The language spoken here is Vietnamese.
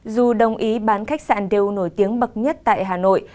dù đồng ý bán khách sạn đều nổi tiếng bậc nhất tại hà nội